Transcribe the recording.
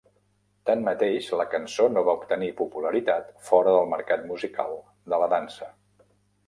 Tanmateix, la cançó no va obtenir popularitat fora del mercat musical de la dansa.